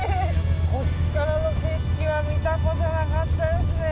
こっちからの景色は見たことなかったですね。